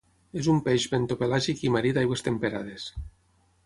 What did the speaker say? És un peix bentopelàgic i marí d'aigües temperades.